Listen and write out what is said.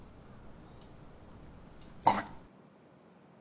ごめん。